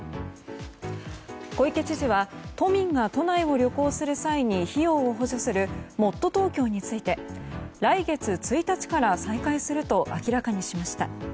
小池知事は都民が都内を旅行する際に費用を補助するもっとＴｏｋｙｏについて来月１日から再開すると明らかにしました。